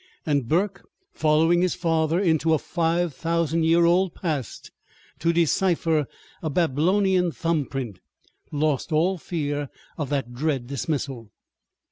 And Burke, following his father into a five thousand year old past to decipher a Babylonian thumb print, lost all fear of that dread dismissal.